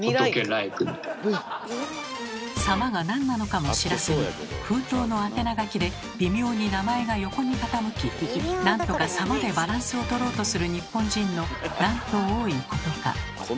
「様」がなんなのかも知らずに封筒の宛名書きで微妙に名前が横に傾きなんとか「様」でバランスを取ろうとする日本人のなんと多いことか。